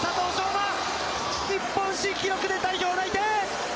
馬、日本新記録で代表内定。